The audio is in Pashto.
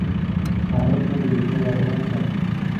تاريخ زموږ د نيکونو يادونه ساتي.